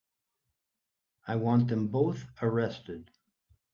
I want them both arrested.